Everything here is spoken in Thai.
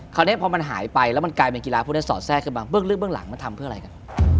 คราวนี้พอมันหายไปแล้วมันกลายเป็นกีฬาพวกนี้สอดแทรกขึ้นมาเบื้องลึกเบื้องหลังมันทำเพื่ออะไรกัน